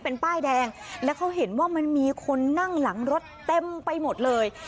เป็นป้ายแดงแล้วเขาเห็นว่ามันมีคนนั่งหลังรถเต็มไปหมดเลย